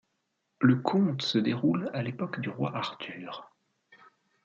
Le conte se déroule à l'époque du roi Arthur.